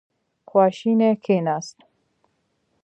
خواشینی کېناست.